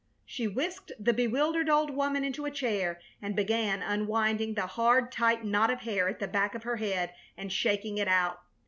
She whisked the bewildered old woman into a chair and began unwinding the hard, tight knot of hair at the back of her head and shaking it out.